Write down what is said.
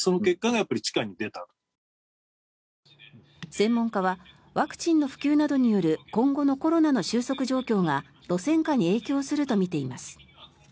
専門家はワクチンの普及などによる今後のコロナの収束状況が路線価に影響すると見ています。